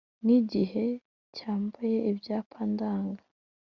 ni gihe cyambaye Ibyapa ndanga